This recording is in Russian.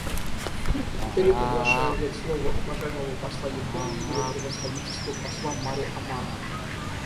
А теперь я приглашаю взять слово уважаемого посла Японии — Его Превосходительство посла Мари Амано.